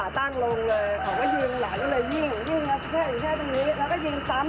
สวัสดีครับ